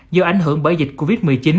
do ảnh hưởng bởi dịch covid một mươi chín